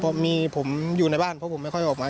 พอมีผมอยู่ในบ้านเพราะผมไม่ค่อยออกมา